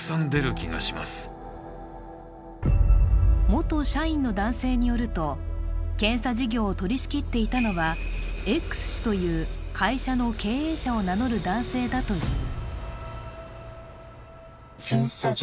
元社員の男性によると、検査事業を取りしきっていたのは、Ｘ氏という会社の経営者を名乗る男性だという。